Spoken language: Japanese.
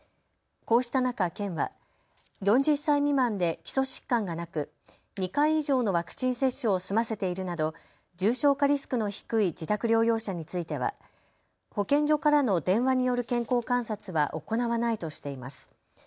こうした中、県は４０歳未満で基礎疾患がなく２回以上のワクチン接種を済ませているなど重症化リスクの低い自宅療養者については保健所からの電話による健康観察は行わないとしています。